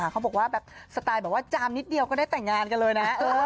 สไตล์แบบว่าจามนิดเดียวก็ได้แต่งงานเลยนะ